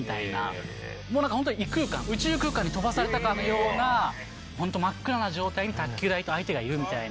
今、呼吸したなとか異空間、宇宙空間に飛ばされたかのような真っ暗な状態に卓球台と相手がいるみたいな。